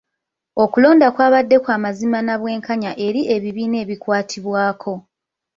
Okulonda kwabadde kwa mazima na bwenkanya eri ebibiina ebikwatibwako.